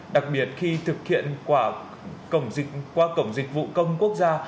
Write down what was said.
đặc biệt khi thực hiện qua cổng dịch vụ công quốc gia